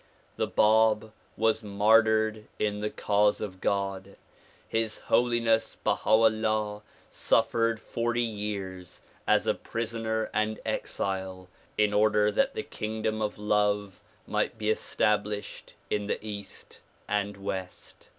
The Bab Avas martyred in the cause of God. His Holiness Baiia 'Ullah suffered forty years as a prisoner and exile in order that the kingdom of love might be established in the east and west.